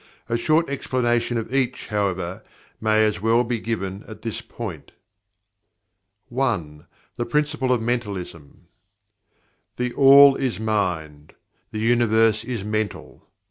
A short explanation of each, however, may as well be given at this point. 1. The Principle of Mentalism "THE ALL IS MIND; The Universe is Mental."